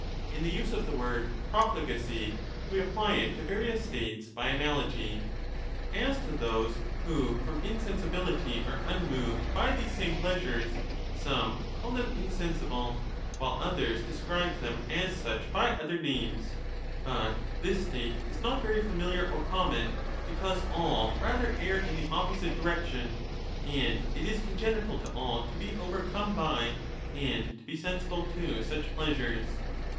in the use of the word ' profligacy ', we apply it to various states by analogy.^ As to those who from insensibility are unmoved by these same pleasures, some call them insensible, while others describe them as 15 such by other names ; but this state is not very familiar or common because all rather err in the opposite direction, and it is congenital to all to be overcome by and to be sensible to such pleasures.